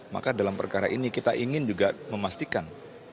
maka dalam perkara ini kita ingin juga memastikan